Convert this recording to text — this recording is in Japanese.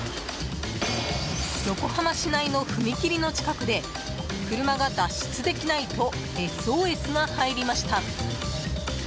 横浜市内の踏切の近くで車が脱出できないとＳＯＳが入りました。